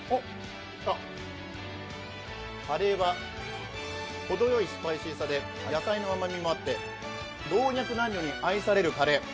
カレーは程よいスパイシーさで野菜の甘みもあって老若男女に愛されるカレー。